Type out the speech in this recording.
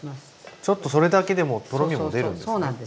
ちょっとそれだけでもとろみも出るんですね。